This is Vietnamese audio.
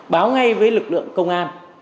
báo ngay với lực lượng công an